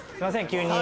急に。